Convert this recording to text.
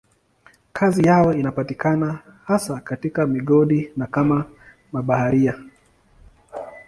Kazi yao inapatikana hasa katika migodi na kama mabaharia.